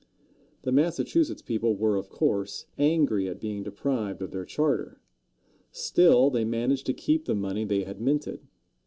The Massachusetts people were, of course, angry at being deprived of their charter; still, they managed to keep the money they had minted.